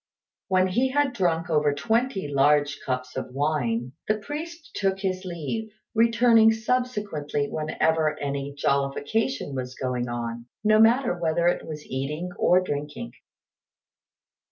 When he had drunk over twenty large cups of wine, the priest took his leave, returning subsequently whenever any jollification was going on, no matter whether it was eating or drinking.